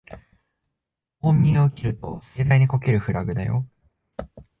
大見得を切ると盛大にこけるフラグだよ